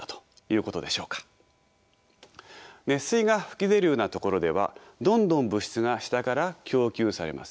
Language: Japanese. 熱水が噴き出るような所ではどんどん物質が下から供給されます。